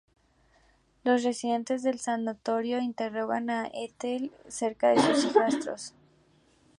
Los residentes del sanatorio interrogan a Ethel acerca de sus hijastros.